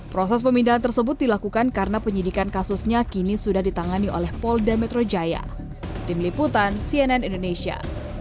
proses pemindahan tersebut dilakukan karena penyidikan kasusnya kini sudah ditangani oleh polda metro jaya